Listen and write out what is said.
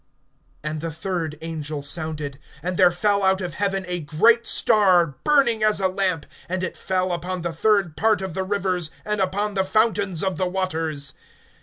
(10)And the third angel sounded; and there fell out of heaven a great star, burning as a lamp, and it fell upon the third part of the rivers, and upon the fountains of the waters.